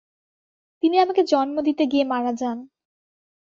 তিনি আমাকে জন্ম দিতে গিয়ে মারা যান।